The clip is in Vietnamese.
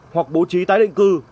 hoặc bố trí tái định cư